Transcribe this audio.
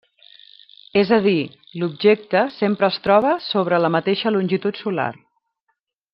És a dir, l'objecte sempre es troba sobre la mateixa longitud solar.